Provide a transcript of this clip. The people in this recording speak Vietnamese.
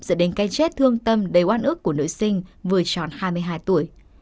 dẫn đến cây chết thương tâm đầy oan ước của nữ sinh vừa chọn hai mươi hai tuổi